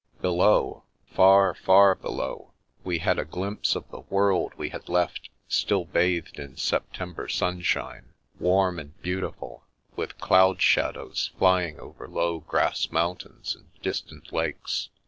Below — far, far below — ^we had a glimpse of the world we had left still bathed in September sunshine, warm and beautiful, with doud shadows flying over low grass mountains and distant lakes.